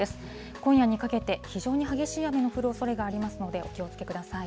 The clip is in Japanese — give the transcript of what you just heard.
今夜にかけて、非常に激しい雨の降るおそれがありますので、お気をつけください。